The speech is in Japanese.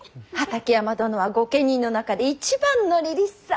畠山殿は御家人の中で一番のりりしさ！